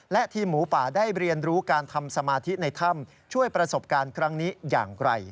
และทีมหมูป่าได้เรียนรู้การทำสมาธิในถ้ำช่วยประสบการณ์ครั้งนี้อย่างไร